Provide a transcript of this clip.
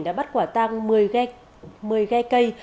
đã bắt quả tăng một mươi ghe cây